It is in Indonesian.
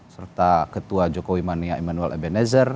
serta ketua jokowi mania emmanuel ebenezer